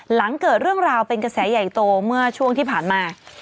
หลังเกิดเรื่องราวเป็นกระแสใหญ่โตเมื่อช่วงที่ผ่านมา